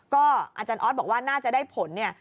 ก็อาจารย์ออสบอกว่าน่าจะได้ผลเนี่ย